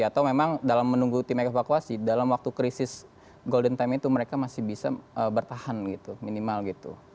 atau memang dalam menunggu tim evakuasi dalam waktu krisis golden time itu mereka masih bisa bertahan gitu minimal gitu